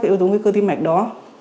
cái yếu tố nguy cơ tim mạch đó